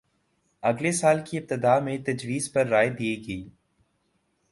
اگلے سال کی ابتدا میں تجویز پر رائے دے گی